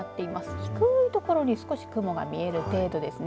低い所に少し雲が見える程度ですね。